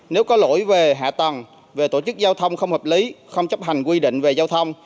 nếu có lỗi về hạ tầng về tổ chức giao thông không hợp lý không chấp hành quy định về giao thông